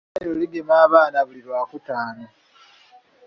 Eryo eddwaliro ligema abaana buli Lwakutaano.